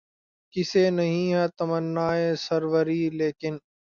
کسے نہیں ہے تمنائے سروری ، لیکن